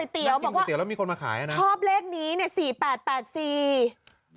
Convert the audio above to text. พี่ร้านก๋วยเตี๋ยวบอกว่าชอบเลขนี้เนี่ย๔๘๘๔